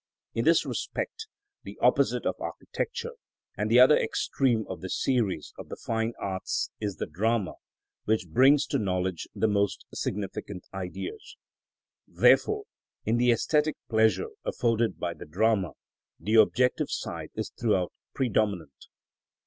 In this respect the opposite of architecture, and the other extreme of the series of the fine arts, is the drama, which brings to knowledge the most significant Ideas. Therefore in the æsthetic pleasure afforded by the drama the objective side is throughout predominant.